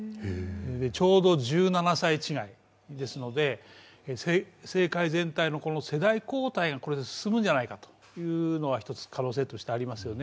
ちょうど１７歳違いですので、政界全体の世代交代がこれで進むんじゃないかという可能性がありますよね。